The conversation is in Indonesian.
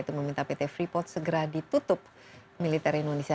mungkin bisa termasuk saluran berikutnya